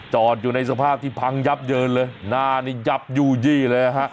จอดอยู่ในสภาพที่พังยับเยินเลยหน้านี่ยับยู่ยี่เลยฮะ